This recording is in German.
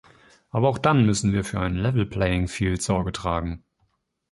Aber auch dann müssen wir für ein level playing field Sorge tragen.